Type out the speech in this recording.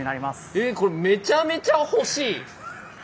えこれめちゃめちゃ欲しい！